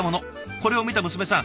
これを見た娘さん